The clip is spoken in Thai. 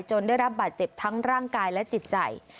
ได้รับบาดเจ็บทั้งร่างกายและจิตใจ